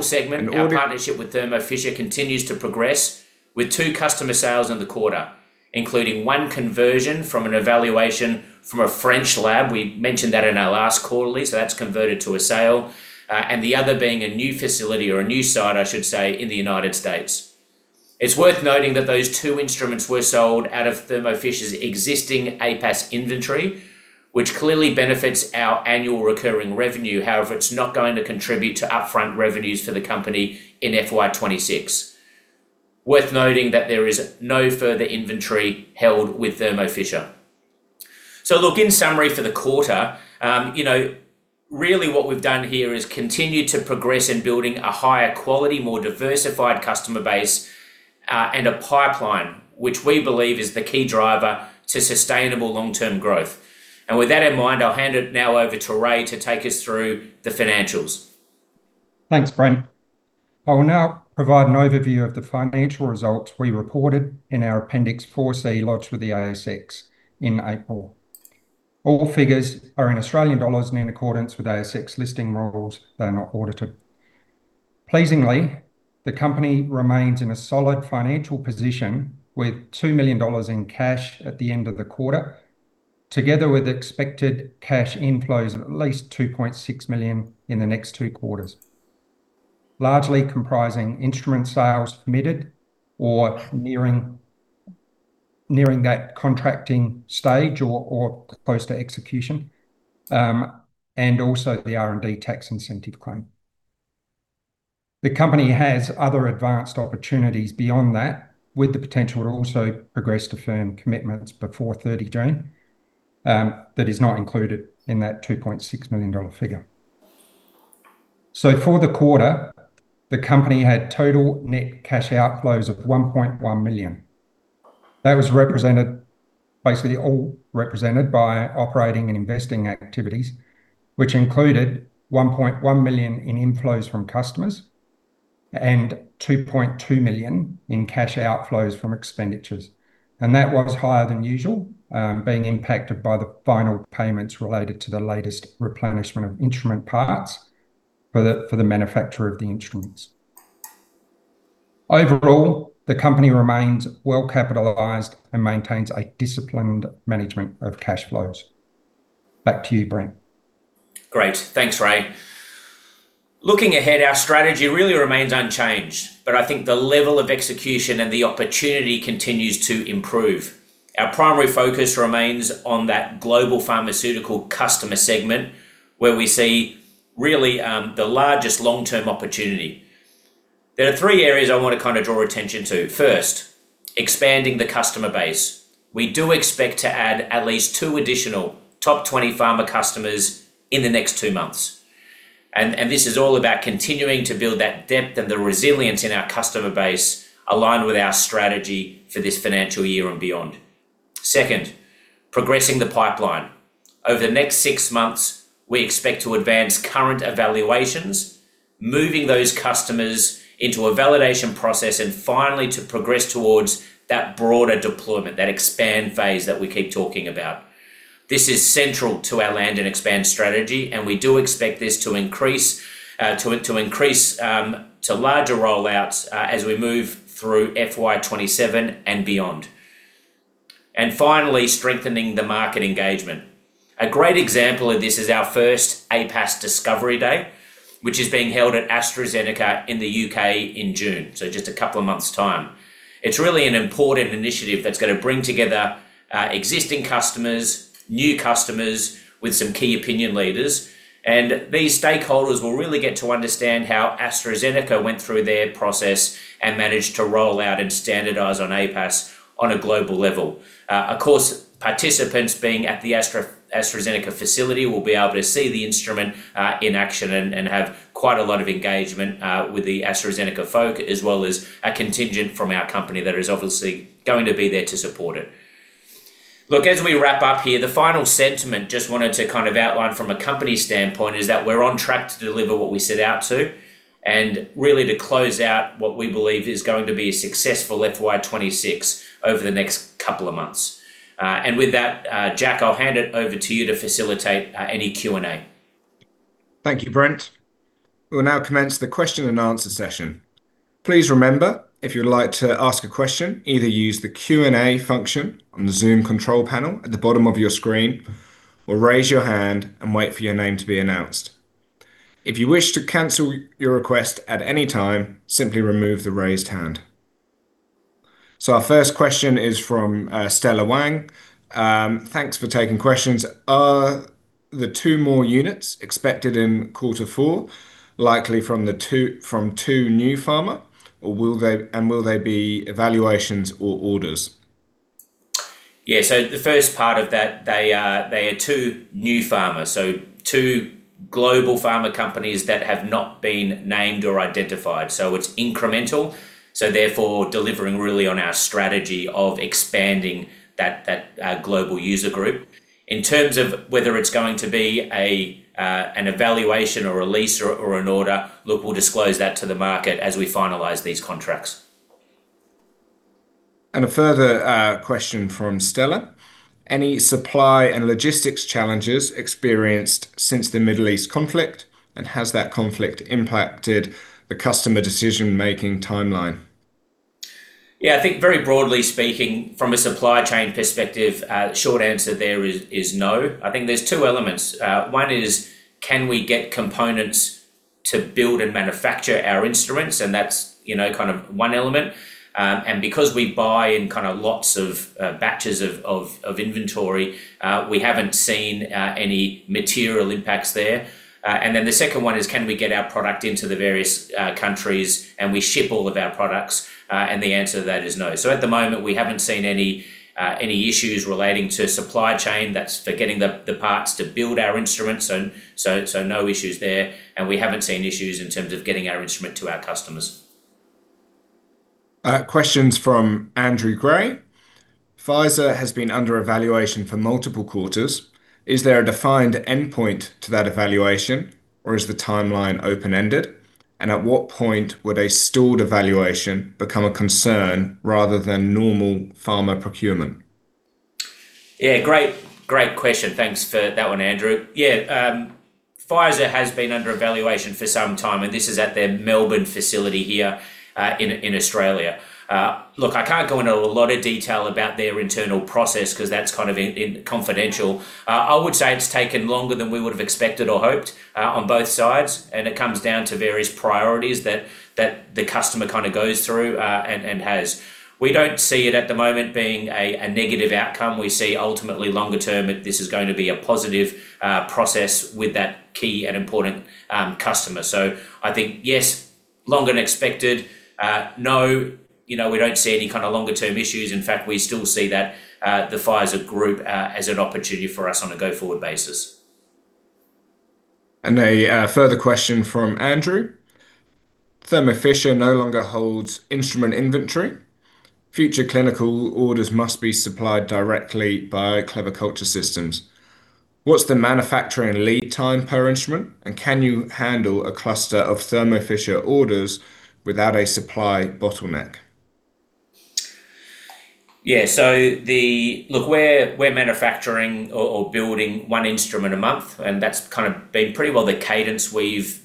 Global segment. And in order for our partnership with Thermo Fisher to continue to progress with two customer sales in the quarter, including one conversion from an evaluation by a French lab. That's converted to a sale. The other is a new facility or a new site, I should say, in the United States. It's worth noting that those two instruments were sold out of Thermo Fisher's existing APAS inventory, which clearly benefits our annual recurring revenue. However, it's not going to contribute to upfront revenues for the company in FY 2026. Worth noting that there is no further inventory held with Thermo Fisher. In summary for the quarter, you know, really what we've done here is continue to progress in building a higher quality, more diversified customer base, and a pipeline, which we believe is the key driver to sustainable long-term growth. I'll hand it over now to Ray to take us through the financials. Thanks, Brent. I will now provide an overview of the financial results we reported in our Appendix 4C lodged with the ASX in April. All figures are in Australian dollars in accordance with ASX listing rules. They're not audited. Pleasingly, the company remains in a solid financial position with 2 million dollars in cash at the end of the quarter, together with expected cash inflows of at least 2.6 million in the next two quarters, largely comprising instrument sales committed or nearing that contracting stage or close to execution, and also the R&D Tax Incentive claim. The company has other advanced opportunities beyond that, with the potential to also progress to firm commitments before June 30, which is not included in that 2.6 million dollar figure. For the quarter, the company had total net cash outflows of 1.1 million. That was represented, basically all represented by operating and investing activities, which included 1.1 million in inflows from customers and 2.2 million in cash outflows from expenditures. That was higher than usual, being impacted by the final payments related to the latest replenishment of instrument parts for the manufacturer of the instruments. Overall, the company remains well capitalized and maintains a disciplined management of cash flows. Back to you, Brent. Great. Thanks, Ray. Looking ahead, our strategy really remains unchanged, but I think the level of execution and the opportunity continue to improve. Our primary focus remains on that global pharmaceutical customer segment, where we see, really, the largest long-term opportunity. There are three areas I want to kind of draw attention to. First, expanding the customer base. We do expect to add at least two additional top 20 pharma customers in the next two months, and this is all about continuing to build that depth and the resilience in our customer base aligned with our strategy for this financial year and beyond. Second, progressing the pipeline. Over the next six months, we expect to advance current evaluations, moving those customers into a validation process, and finally, to progress towards that broader deployment, that expanded phase that we keep talking about. This is central to our land and expansion strategy. We do expect this to increase to larger rollouts as we move through FY 2027 and beyond. Finally, strengthening the market engagement. A great example of this is our first APAS Discovery Day, which is being held at AstraZeneca in the U.K. in June, so just a couple of months' time. It's really an important initiative that's gonna bring together existing customers, new customers, with some key opinion leaders, and these stakeholders will really get to understand how AstraZeneca went through their process and managed to roll out and standardize on APAS on a global level. Of course, participants being at the AstraZeneca facility will be able to see the instrument in action and have quite a lot of engagement with the AstraZeneca folk, as well as a contingent from our company that is obviously going to be there to support it. As we wrap up here, the final sentiment, just wanted to kind of outline from a company standpoint, is that we're on track to deliver what we set out to and really to close out what we believe is going to be a successful FY 2026 over the next couple of months. With that, Jack, I'll hand it over to you to facilitate any Q&A. Thank you, Brent. We will now commence the question-and-answer session. Please remember, if you'd like to ask a question, either use the Q&A function on the Zoom control panel at the bottom of your screen, or raise your hand and wait for your name to be announced. If you wish to cancel your request at any time, simply remove the raised hand. Our first question is from Stella Wang. Thanks for taking questions. Are the two more units expected in quarter four likely from two new pharma, or will they be evaluations or orders? Yeah. The first part is that there are two new pharma, so two global pharma companies that have not been named or identified. It's incremental, therefore delivering really on our strategy of expanding that global user group. In terms of whether it's going to be an evaluation or a lease or an order, look, we'll disclose that to the market as we finalize these contracts. A further question from Stella. Any supply and logistics challenges experienced since the Middle East conflict, and has that conflict impacted the customer decision-making timeline? I think very broadly speaking from a supply chain perspective, the short answer is no. I think there are two elements. One is, can we get components to build and manufacture our instruments? That's, you know, kind of one element. Because we buy in kind of lots of batches of inventory, we haven't seen any material impacts there. The second one is, can we get our product into the various countries, and we ship all of our products? The answer to that is no. At the moment, we haven't seen any issues relating to the supply chain. That's for getting the parts to build our instruments. No issues there, we haven't seen issues in terms of getting our instrument to our customers. Questions from Andrew Gray. Pfizer has been under evaluation for multiple quarters. Is there a defined endpoint to that evaluation, or is the timeline open-ended? At what point would a stalled evaluation become a concern rather than a normal pharma procurement? Great question. Thanks for that one, Andrew. Pfizer has been under evaluation for some time, and this is at their Melbourne facility here in Australia. Look, I can't go into a lot of detail about their internal process 'cause that's kind of confidential. I would say it's taken longer than we would've expected or hoped on both sides, and it comes down to various priorities that the customer kind of goes through and has. We don't see it at the moment as a negative outcome. We see ultimately a longer term that this is going to be a positive process with that key and important customer. I think, yes, longer than expected, no, you know, we don't see any kind of longer-term issues. In fact, we still see that the Pfizer group has an opportunity for us on a go-forward basis. A further question from Andrew. Thermo Fisher no longer holds instrument inventory. Future clinical orders must be supplied directly by Clever Culture Systems. What's the manufacturing lead time per instrument, and can you handle a cluster of Thermo Fisher orders without a supply bottleneck? Yeah. Look, we're manufacturing or building one instrument a month, and that's kind of been pretty well the cadence we've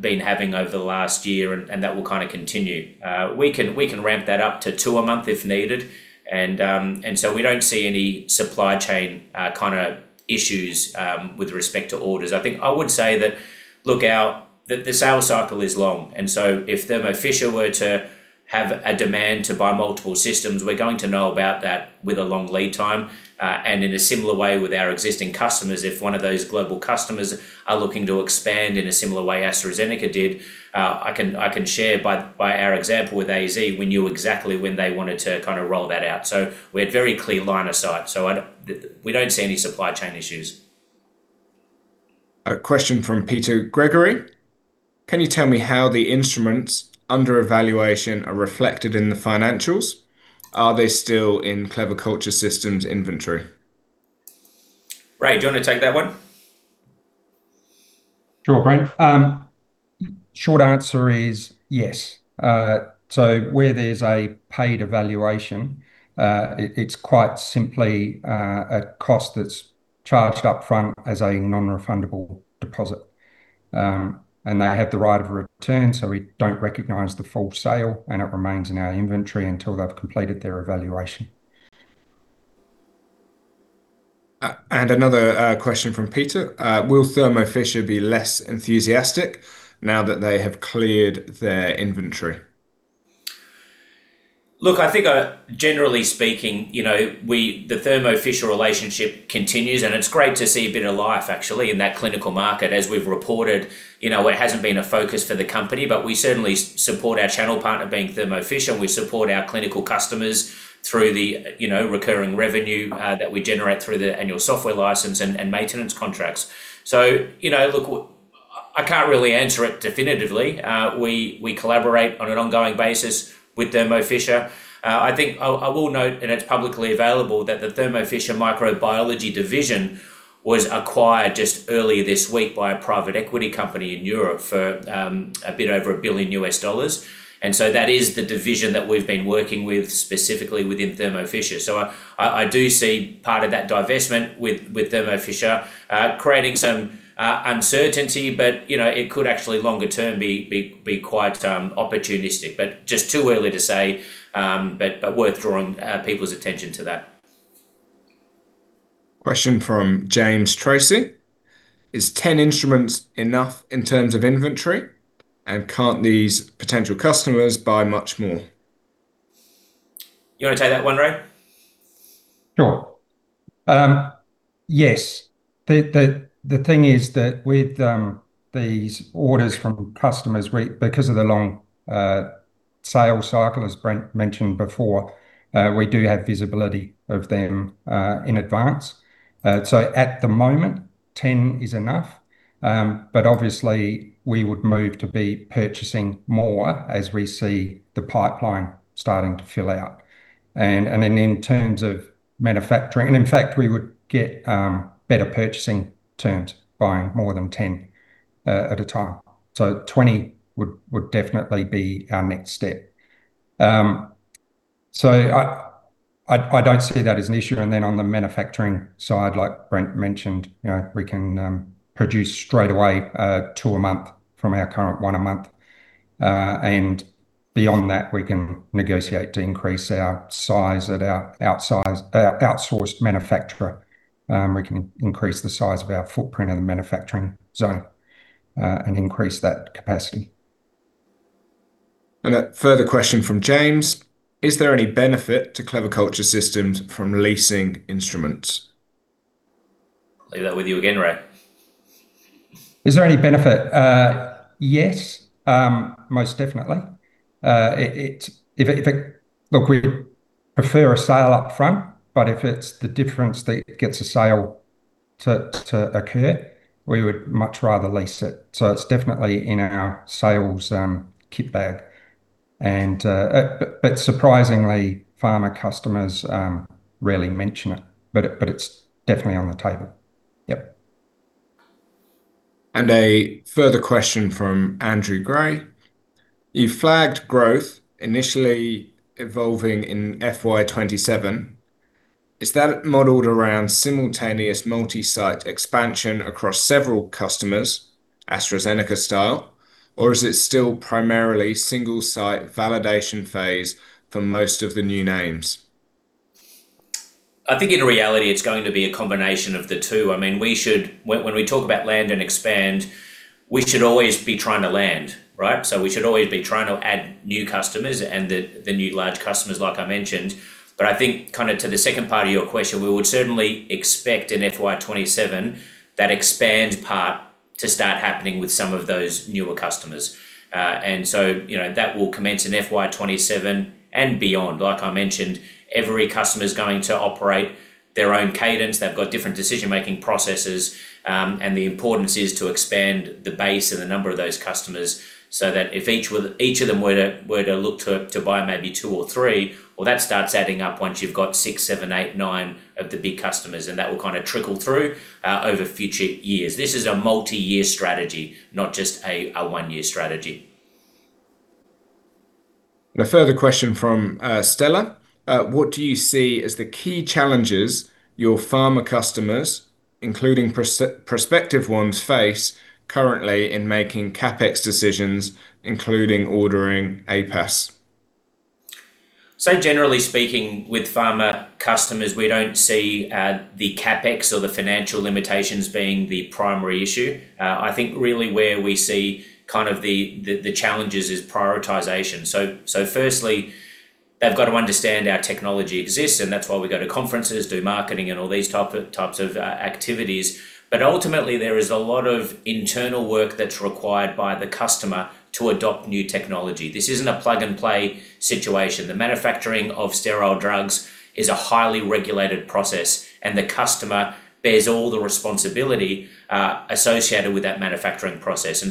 been having over the last year, and that will kind of continue. We can ramp that up to two a month if needed. We don't see any supply chain kind of issues with respect to orders. I think I would say that, look, our sales cycle is long; if Thermo Fisher were to have a demand to buy multiple systems, we're going to know about that with a long lead time. In a similar way with our existing customers, if one of those global customers is looking to expand in a similar way AstraZeneca did, I can share our example with AZ. We knew exactly when they wanted to kind of roll that out, so we had a very clear line of sight. We don't see any supply chain issues. A question from Peter Gregory. Can you tell me how the instruments under evaluation are reflected in the financials? Are they still in Clever Culture Systems' inventory? Ray, do you wanna take that one? Sure, Brent. The short answer is yes. Where there's a paid evaluation, it's quite simply a cost that's charged upfront as a non-refundable deposit. They have the right of return, so we don't recognize the full sale, and it remains in our inventory until they've completed their evaluation. Another question from Peter. Will Thermo Fisher be less enthusiastic now that they have cleared their inventory? Look, I think, generally speaking, you know, we, the Thermo Fisher relationship continues. It's great to see a bit of life actually in that clinical market. As we've reported, you know, it hasn't been a focus for the company. We certainly support our channel partner, Thermo Fisher. We support our clinical customers through the, you know, recurring revenue that we generate through the annual software license and maintenance contracts. You know, look, I can't really answer it definitively. We collaborate on an ongoing basis with Thermo Fisher. I will note, and it's publicly available, that the Thermo Fisher microbiology division was acquired just earlier this week by a private equity company in Europe for a bit over $1 billion, which is the division that we've been working with specifically within Thermo Fisher. I do see part of that divestment with Thermo Fisher creating some uncertainty, but you know, it could actually longer term be quite opportunistic. Just too early to say. Worth drawing people's attention to that. Question from James Tracey. Are 10 instruments enough in terms of inventory, and can't these potential customers buy much more? You wanna take that one, Ray? Sure. Yes. The thing is that with these orders from customers, because of the long sales cycle, as Brent mentioned before, we do have visibility of them in advance. At the moment, 10 is enough. Obviously, we would move to purchasing more as we see the pipeline starting to fill out. In terms of manufacturing, and in fact, we would get better purchasing terms by buying more than 10 at a time. 20 would definitely be our next step. I don't see that as an issue. On the manufacturing side, as Brent mentioned, you know, we can produce straightaway two a month from our current one a month. Beyond that, we can negotiate to increase our size at our outsourced manufacturer. We can increase the size of our footprint in the manufacturing zone and increase that capacity. A further question from James: "Is there any benefit to Clever Culture Systems from leasing instruments? Leave that with you again, Ray. Is there any benefit? Yes, most definitely. Look, we prefer a sale up front. If it's the difference that gets a sale to occur, we would much rather lease it. It's definitely in our sales kit bag. Surprisingly, pharma customers rarely mention it, but it's definitely on the table. Yep. A further question from Andrew Gray, "You flagged growth initially evolving in FY 2027. Is that modeled around simultaneous multi-site expansion across several customers, AstraZeneca style, or is it still primarily a single-site validation phase for most of the new names? I think in reality it's going to be a combination of the two. I mean, when we talk about land and expand, we should always be trying to land, right? We should always be trying to add new customers and the new large customers, as I mentioned. I think, kind of to the second part of your question, we would certainly expect in FY 2027 that expand part to start happening with some of those newer customers. You know that it will commence in FY 2027 and beyond. As I mentioned, every customer's going to operate their own cadence. They've got different decision-making processes, and the importance is to expand the base and the number of those customers so that if each of them were to look to buy maybe two or three, well, that starts adding up once you've got six, seven, eight, nine of the big customers. That will kind of trickle through over the future years. This is a multi-year strategy, not just a one-year strategy. A further question from Stella, "What do you see as the key challenges your pharma customers, including prospective ones, face currently in making CapEx decisions, including ordering APAS? Generally speaking, with pharma customers, we don't see the CapEx or the financial limitations being the primary issue. I think really where we see kind of the challenges is prioritization. Firstly, they've got to understand our technology exists, and that's why we go to conferences, do marketing, and all these types of activities. Ultimately, there is a lot of internal work that's required by the customer to adopt new technology. This isn't a plug-and-play situation. The manufacturing of sterile drugs is a highly regulated process, and the customer bears all the responsibility associated with that manufacturing process.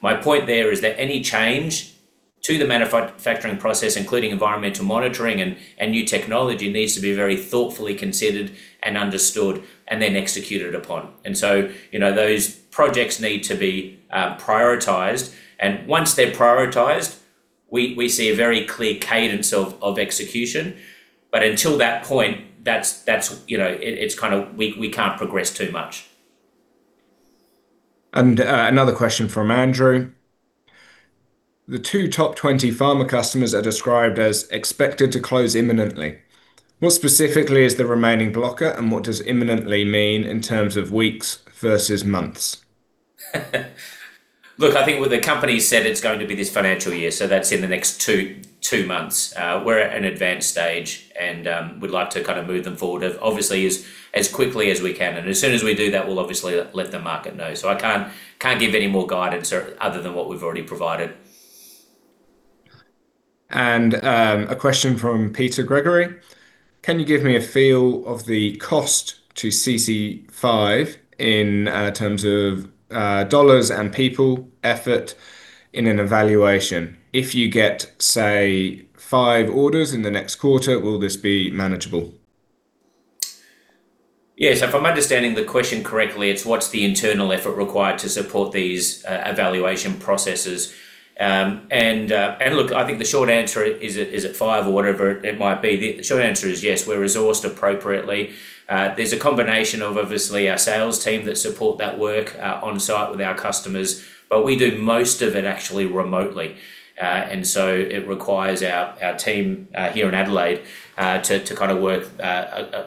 My point there is that any change to the manufacturing process, including environmental monitoring and new technology, needs to be very thoughtfully considered and understood, and then executed upon. You know, those projects need to be prioritized, and once they're prioritized, we see a very clear cadence of execution. Until that point, that's, you know, it's kind of we can't progress too much. Another question from Andrew, "The two top 20 pharma customers are described as expected to close imminently. What specifically is the remaining blocker, and what does imminently mean in terms of weeks versus months? Look, I think the company said it's going to be this financial year, so that's in the next two months. We're at an advanced stage, and we'd like to kind of move them forward, obviously, as quickly as we can. As soon as we do that, we'll obviously let the market know. I can't give any more guidance other than what we've already provided. A question from Peter Gregory, "Can you give me a feel of the cost to CC5 in terms of dollars and people's effort in an evaluation? If you get, say, five orders in the next quarter, will this be manageable? Yeah. If I'm understanding the question correctly, it's what the internal effort required is to support these evaluation processes. Look, I think the short answer is it five or whatever it might be. The short answer is yes, we're resourced appropriately. There's a combination of obviously our sales team that supports that work on site with our customers, but we do most of it actually remotely. It requires our team here in Adelaide to kind of work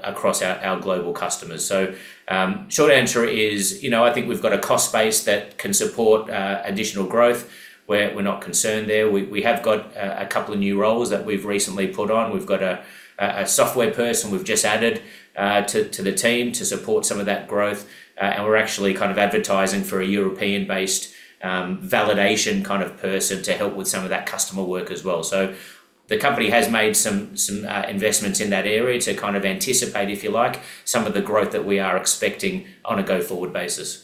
across our global customers. Short answer is, you know, I think we've got a cost base that can support additional growth. We're not concerned there. We have got a couple of new roles that we've recently put on. We've got a software person we've just added to the team to support some of that growth. We're actually kind of advertising for a European-based validation kind of person to help with some of that customer work as well. The company has made some investments in that area to kind of anticipate, if you like, some of the growth that we are expecting on a go-forward basis.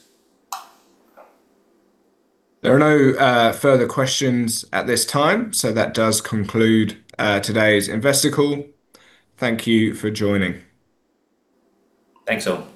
There are no further questions at this time. That does conclude today's investor call. Thank you for joining. Thanks all.